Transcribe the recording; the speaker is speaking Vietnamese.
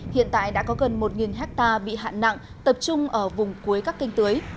hiện tại đã có gần một ha bị hạn nặng tập trung ở vùng cuối các kênh tưới